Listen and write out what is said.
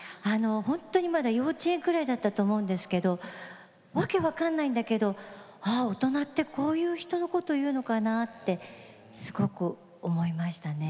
本当にまだ幼稚園ぐらいだったと思うんですけれどわけ分かんないんだけれど大人ってこういう人のことをいうのかなってすごく思いましたね。